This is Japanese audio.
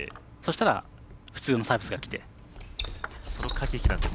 そしたら、普通のサービスがきて。